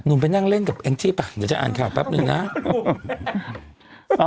หนุ่มไปนั่งเล่นกับเองที่ป่ะเดี๋ยวจะอ่านข่าวปั๊บหนึ่งนะ